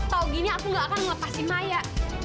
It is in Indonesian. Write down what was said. tahu gini aku nggak akan melepaskan maya